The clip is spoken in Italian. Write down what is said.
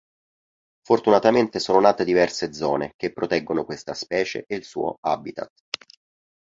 Fortunatamente sono nate diverse zone che proteggono questa specie e il suo habitat.